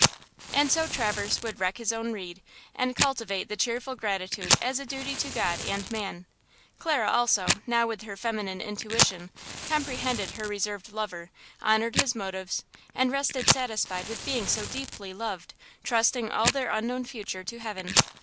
And so Traverse would "reck his own rede" and cultivate cheerful gratitude as a duty to God and man. Clara, also, now, with her feminine intuition, comprehended her reserved lover, honored his motives and rested satisfied with being so deeply loved, trusting all their unknown future to heaven.